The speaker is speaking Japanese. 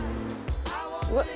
うわっ！